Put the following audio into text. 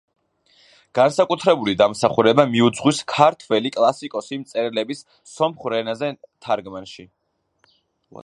განსაკუთრებული დამსახურება მიუძღვის ქართველი კლასიკოსი მწერლების სომხურ ენაზე თარგმანში.